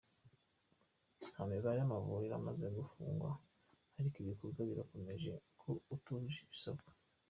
Nta mibare y’amavuriro amaze gufungwa ariko igikorwa kirakomeje ku atujuje ibisabwa.